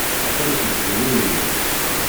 Aqli-k deg ubrid-iw.